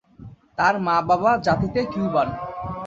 তার মা-বাবা জাতিতে কিউবান।